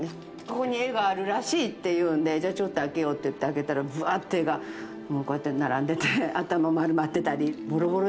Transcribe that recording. ここに絵があるらしいっていうんでじゃあちょっと開けようっていって開けたらブワッて絵がこうやって並んでて頭丸まってたりぼろぼろだったりしたんでね。